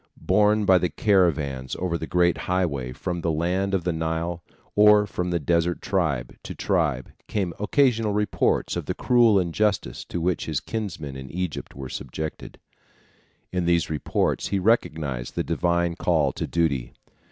Borne by the caravans over the great highway from the land of the Nile or from desert tribe to tribe came occasional reports of the cruel injustice to which his kinsmen in Egypt were subjected. In these reports he recognized the divine call to duty.